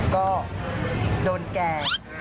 ก็โดนแก่